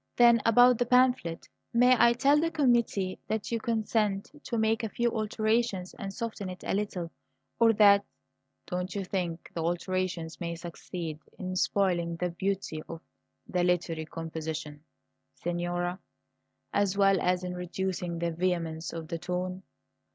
Then about the pamphlet: may I tell the committee that you consent to make a few alterations and soften it a little, or that " "Don't you think the alterations may succeed in spoiling the beauty of the 'literary composition,' signora, as well as in reducing the vehemence of the tone?"